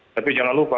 tapi jangan lupa